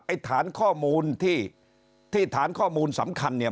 ฐานข้อมูลที่ที่ฐานข้อมูลสำคัญเนี่ย